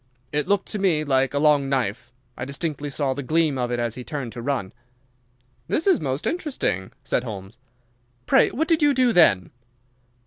It looked to me like a long knife. I distinctly saw the gleam of it as he turned to run." "This is most interesting," said Holmes. "Pray what did you do then?"